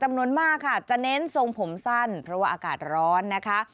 จำนวนมากค่ะจะเน้นทรงผมสั้นเพราะว่าอากาศร้อนนะคะ